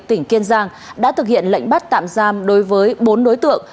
tỉnh kiên giang đã thực hiện lệnh bắt tạm giam đối với bốn đối tượng